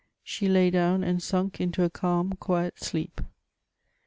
She lay down, and sunk into a calm, quiet sleep.